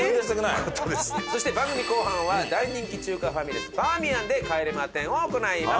そして番組後半は大人気中華ファミレスバーミヤンで「帰れま１０」を行います。